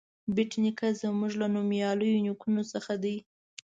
بېټ نیکه زموږ له نومیالیو نیکونو څخه دی.